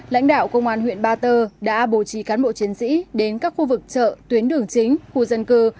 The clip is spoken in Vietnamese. lãnh đạo công an huyện ba tơ đã bổ trì cán bộ chiến sĩ đến các khu vực chợ tuyến đường chính khu dân cơ